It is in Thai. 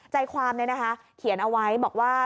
ใจความนี้นะคะเขียนเอาไว้บอกว่า